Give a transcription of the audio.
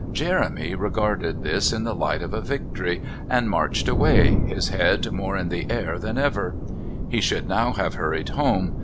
Jeremy regarded this in the light of a victory and marched away, his head more in the air than ever. He should now have hurried home.